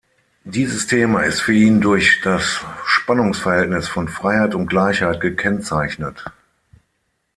Dieses Thema ist für ihn durch das Spannungsverhältnis von Freiheit und Gleichheit gekennzeichnet.